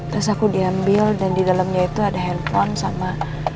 terus aku diambil dan di dalamnya itu ada handphone sama